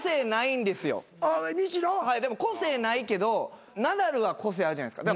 個性ないけどナダルは個性あるじゃないですか。